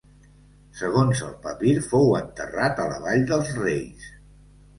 Segons el papir fou enterrat a la vall dels reis.